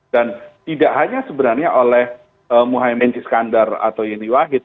dan tidak hanya sebenarnya oleh muhammad encik skandar atau yeni wahid